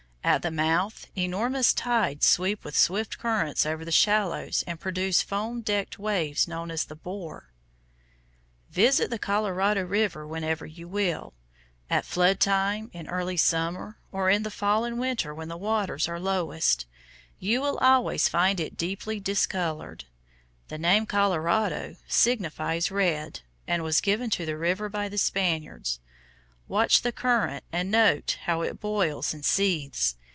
At the mouth, enormous tides sweep with swift currents over the shallows and produce foam decked waves known as the "bore." Visit the Colorado River whenever you will, at flood time in early summer, or in the fall and winter when the waters are lowest, you will always find it deeply discolored. The name "Colorado" signifies red, and was given to the river by the Spaniards. Watch the current and note how it boils and seethes.